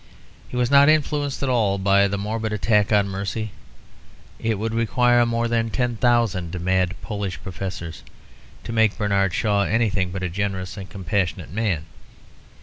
He was not influenced at all by the morbid attack on mercy. It would require more than ten thousand mad Polish professors to make Bernard Shaw anything but a generous and compassionate man.